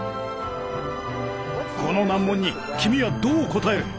この難問に君はどう答える。